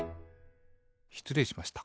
しつれいしました。